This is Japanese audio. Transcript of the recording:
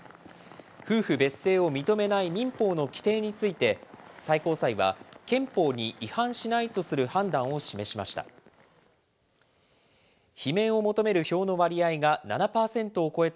夫婦別姓を認めない民法の規定について、最高裁は、憲法に違反しないとする判断を示しました。